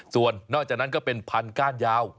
ส่วนนอกจากนั้นก็เป็นพันก้านยาว